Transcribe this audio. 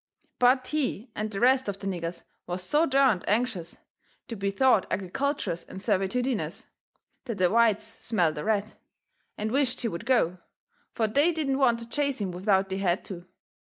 But he and the rest of the niggers was so DERNED anxious to be thought agriculturous and servitudinous that the whites smelt a rat, and wished he would go, fur they didn't want to chase him without they had to.